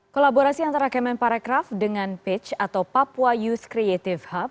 kolaborasi antara kemen parekraf dengan pitch atau papua youth creative hub